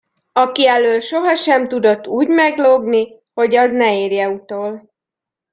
Aki elől sohasem tudott úgy meglógni, hogy az ne érje utol.